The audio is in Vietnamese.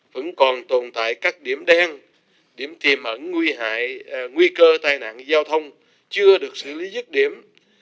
vẫn còn tồn tại các điểm đen điểm thi mẩn nguy cơ tai nạn giao thông chưa được xử lý dứt điểm